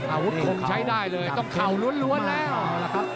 อาวุธคงใช้ได้เลยต้องเขาล้วนแล้ว